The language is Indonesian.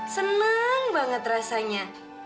seneng banget rasanya